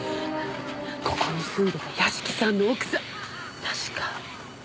ここに住んでた屋敷さんの奥さん確か自殺したのよね？